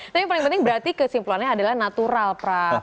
tapi yang paling penting berarti kesimpulannya adalah natural pra